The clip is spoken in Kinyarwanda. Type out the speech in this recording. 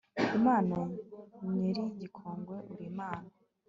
imana nyen'ikigongwe, uri imana